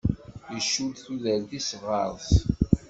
Icudd tudert-is ɣer-s.